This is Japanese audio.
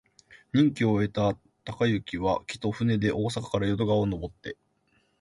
任期を終えた貫之は、帰途、船で大阪から淀川をのぼって、